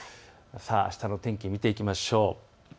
あしたの天気を見ていきましょう。